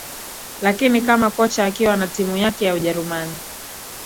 Lakini kama kocha akiwa na timu yake ya Ujerumani